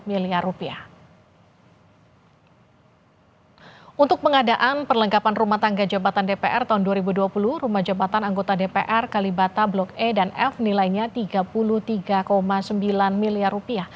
miliar rupiah perlengkapan rumah tangga jabatan dpr tahun dua ribu dua puluh rumah jabatan anggota dpr kalibata blok e dan f nilainya rp tiga puluh tiga sembilan miliar